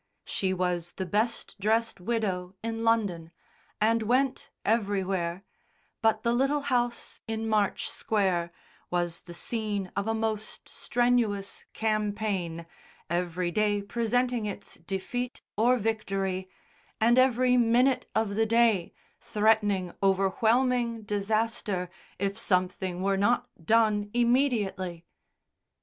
She was the best dressed widow in London, and went everywhere, but the little house in March Square was the scene of a most strenuous campaign, every day presenting its defeat or victory, and every minute of the day threatening overwhelming disaster if something were not done immediately.